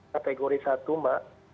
kategori satu mbak